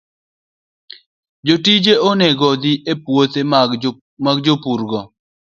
Jotijego onego odhi e puothe mag jopurgo